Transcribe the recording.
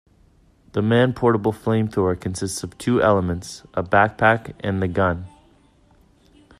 The man-portable flamethrower consists of two elements: a backpack and the gun.